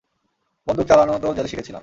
বন্দুক চালানো তো জেলে শিখেছিলাম।